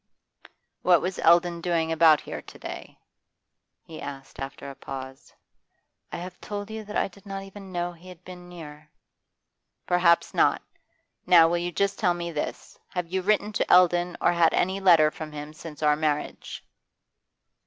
'What was Eldon doing about here to day?' he asked after a pause. 'I have told you that I did not even know he had been near.' 'Perhaps not. Now, will you just tell me this: Have you written to Eldon, or had any letter from him since our marriage?